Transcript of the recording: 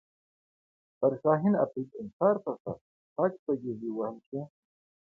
پر شاهین افریدي سر په سر شپږ شپږیزې ووهل شوې